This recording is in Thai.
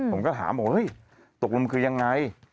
ผมก็ถามว่าเฮ้ยตกลงคือยังไง